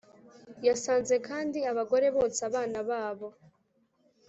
Yasanze kandi abagore bonsa abana babo.